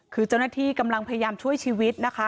คือเจ้าหน้าที่กำลังพยายามช่วยชีวิตนะคะ